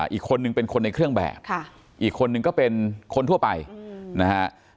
อีกคนนึงเป็นคนในเครื่องแบบอีกคนนึงก็เป็นคนทั่วไปนะฮะ